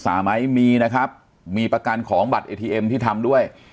ไหมมีนะครับมีประกันของบัตรเอทีเอ็มที่ทำด้วย